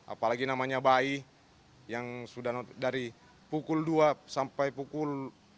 apalagi namanya bayi yang sudah dari pukul dua sampai pukul dua puluh tiga